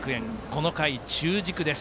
この回、中軸です。